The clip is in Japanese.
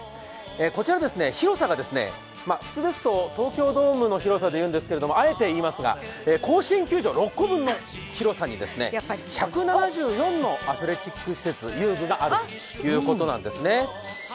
こちらは広さが普通ですと東京ドームの広さで言うんですが、あえていいますが、甲子園球場６個分の広さに１７４のアスレチック施設、遊具があるということなんですね。